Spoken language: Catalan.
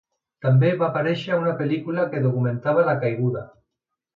També va aparèixer una pel·lícula que documentava la caiguda.